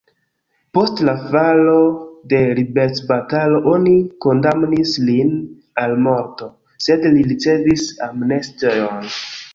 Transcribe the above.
Post la falo de liberecbatalo oni kondamnis lin al morto, sed li ricevis amnestion.